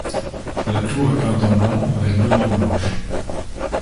La tour est peinte en blanc, avec deux bandes blanches.